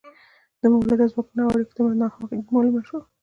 د مؤلده ځواکونو او اړیکو ترمنځ ناهمغږي معلومه شوه.